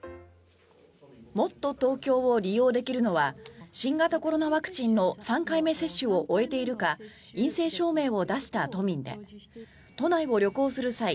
もっとＴｏｋｙｏを利用できるのは新型コロナワクチンの３回目接種を終えているか陰性証明を出した都民で都内を旅行する際